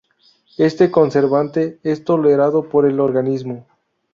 Este conservante es tolerado por el organismo.